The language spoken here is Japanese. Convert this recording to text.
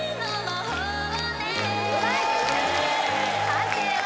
判定は？